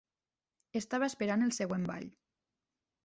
Estava esperant el següent ball.